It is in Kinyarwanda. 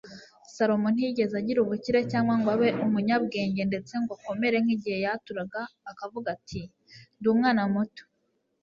salomo ntiyigeze agira ubukire cyangwa ngo abe umunyabwenge ndetse ngo akomere nk'igihe yatuye akavuga ati ndi umwana muto